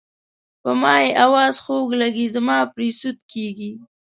په ما یې اواز خوږ لګي زما پرې سود کیږي.